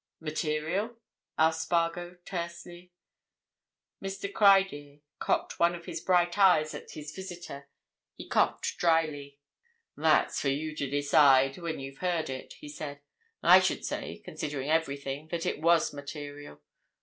"Material?" asked Spargo, tersely. Mr. Criedir cocked one of his bright eyes at his visitor. He coughed drily. "That's for you to decide—when you've heard it," he said. "I should say, considering everything, that it was material.